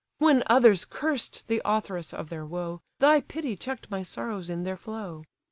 When others cursed the authoress of their woe, Thy pity check'd my sorrows in their flow.